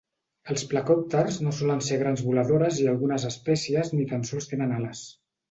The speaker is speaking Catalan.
Els plecòpters no solen ser grans voladores i algunes espècies ni tan sols tenen ales.